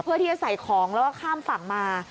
เพื่อที่จะใส่ของแล้วก็ข้ามฝั่งมา